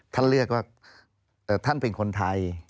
ท่านเรียกว่าท่านเป็นคนไทย